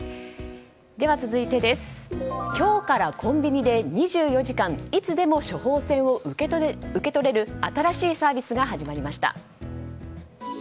続いては今日からコンビニで２４時間いつでも処方箋を受け取れる新しいサービスが始まりました。